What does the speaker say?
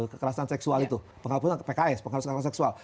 kekerasan seksual itu pks penghaluskan seksual